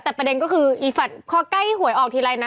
แต่ประเด็นก็คืออีฟัดพอใกล้หวยออกทีไรนะ